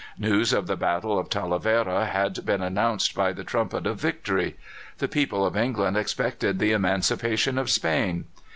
News of the battle of Talavera had been announced by the trumpet of victory. The people of England expected the emancipation of Spain.